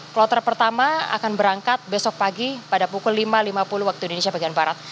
kloter pertama akan berangkat besok pagi pada pukul lima lima puluh waktu indonesia bagian barat